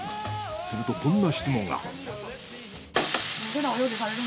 するとこんな質問が。